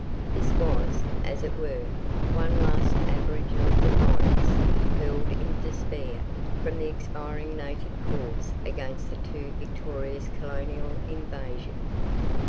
This was, as it were, one last aboriginal defiance, hurled in despair from the expiring native cause against the too victorious colonial invasion.